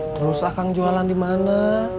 terus akang jualan dimana